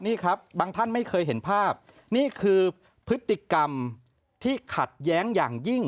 นี่ครับบางท่านไม่เคยเห็นภาพนี่คือพฤติกรรมที่ขัดแย้งอย่างยิ่ง